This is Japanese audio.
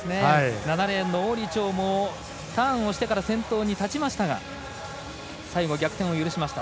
７レーンの王李超もターンをしてから先頭に立ちましたが最後、逆転を許しました。